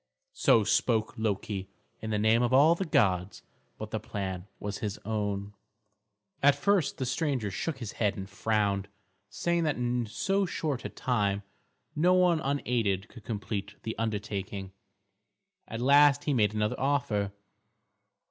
So spoke Loki, in the name of all the gods; but the plan was his own. At first the stranger shook his head and frowned, saying that in so short a time no one unaided could complete the undertaking. At last he made another offer.